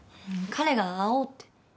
彼が会おうって。